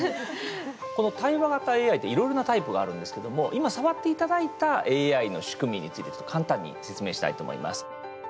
この対話型ＡＩっていろいろなタイプがあるんですけども今、触っていただいたＡＩの仕組みについて、ちょっと簡単に説明したいと思います。